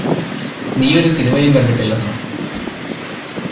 നീയൊരു സിനിമയും കണ്ടിട്ടില്ലെന്നോ